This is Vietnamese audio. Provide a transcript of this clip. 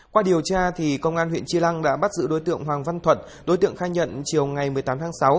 qua điều tra công an huyện tri lăng đã bắt giữ đối tượng hoàng văn thuận đối tượng khai nhận chiều ngày một mươi tám tháng sáu